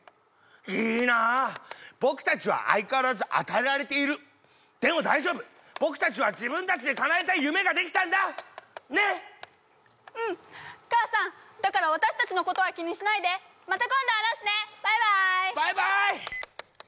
いいな僕達は相変わらず与えられているでも大丈夫僕達は自分達でかなえたい夢ができたんだねっうん母さんだから私達のことは気にしないでまた今度話すねバイバイバイバイ